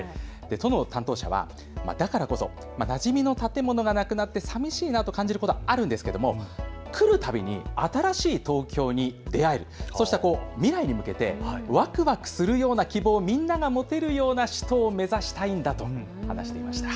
都の担当者はだからこそなじみの建物がなくなって寂しいなと感じることもあるんですけれども来るたびに新しい東京に出会える、そうした未来に向けてわくわくするような希望をみんなが持てるような首都を目指したいんだと話していました。